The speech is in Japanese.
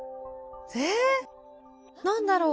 えっ何だろう？